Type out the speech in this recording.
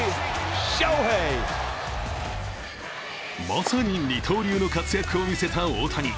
まさに二刀流の活躍を見せた大谷。